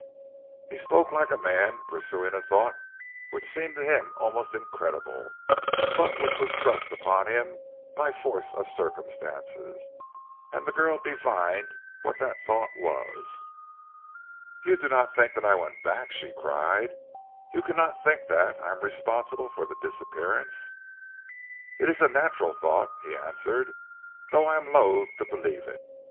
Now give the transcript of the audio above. He spoke like a man pursuing a thought which seemed to him almost incredible, but which was thrust upon him by force of circumstances, and the girl divined what that thought was. "You do not think that I went back?" she cried. "You cannot think that I am responsible for the disappearance?" "It is a natural thought," he answered, "though I am loathe to believe it.